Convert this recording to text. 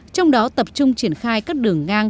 trong đó tập trung triển khai các đường ngang